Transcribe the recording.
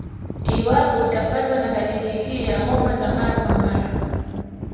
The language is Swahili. Iwapo utapatwa na dalili hii ya homa za mara kwa mara